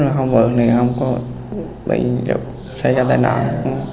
nếu không vượt thì không có bị xe tải nạn